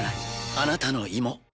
あなたの胃も。